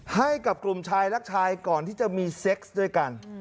ให้กับกลุ่มชายรักชายก่อนที่จะมีเซ็กซ์ด้วยกัน